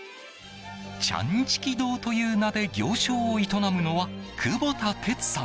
ちゃんちき堂という名で行商を営むのは、久保田哲さん。